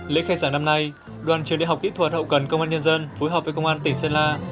lễ khai giảng năm nay đoàn trường đại học kỹ thuật hậu cần công an nhân dân phối hợp với công an tỉnh sơn la